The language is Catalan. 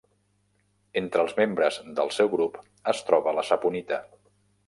Entre els membres del seu grup es troba la saponita.